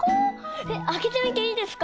えっあけてみていいですか？